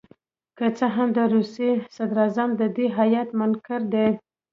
که څه هم د روسیې صدراعظم د دې هیات منکر دي.